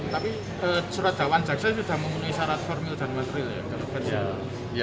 tapi surat dakwaan jaksa sudah memenuhi syarat formil dan material ya